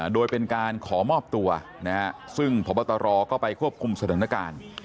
โดยเป็นการขอมอบตัวซึ่งพบตรก็ไปควบคุมสถานการณ์